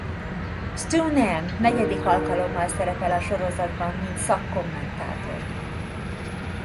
Stu Nahan negyedik alkalommal szerepel a sorozatban mint szakkommentátor.